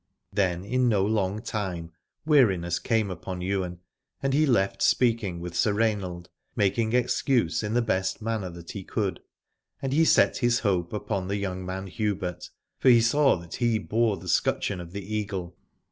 Then in no long time weariness came again upon Ywain, and he left speaking with Sir Rainald, making excuse in the best manner that he could : and he set his hope upon the young man Hubert, for he saw that he bore the scutcheon of the Eagle.